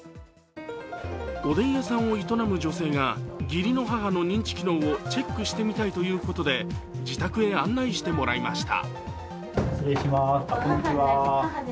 おでん屋さんを営む女性が義理の母の認知機能をチェックしてみたいということで自宅へ案内してもらいました。